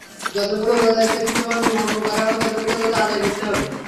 যতগুলো রোজা ইচ্ছাকৃতভাবে ভঙ্গ করা হবে, ততগুলো রোজা আদায় করতে হবে।